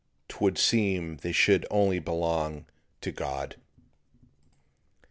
'Twould seem they should only belong to God.